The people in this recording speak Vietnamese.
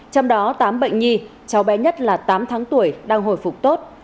trong đó tám bệnh nhi cháu bé nhất là tám tháng tuổi đang hồi phục tốt